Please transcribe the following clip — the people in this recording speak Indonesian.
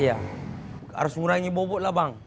ya harus mengurangi bobot lah bang